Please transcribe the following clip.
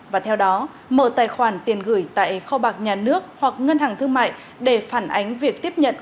và theo đó mở tài khoản tiền gửi tại kho bạc nhà nước hoặc ngân hàng thương mại để phản ánh việc tiếp nhận